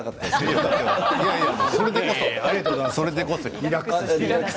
笑い声ありがとうございます。